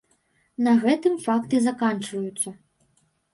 На гэтым факты заканчваюцца.